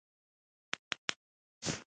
غول نرمولو ته فایبر ګټور دی.